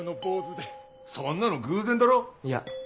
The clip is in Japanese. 全くそんなの偶然だろ？いや。